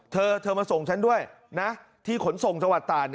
เธอมาส่งฉันด้วยนะที่ขนส่งสวัสดิ์ตา